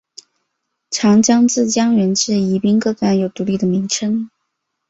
长江自江源至宜宾各段有独立的名称。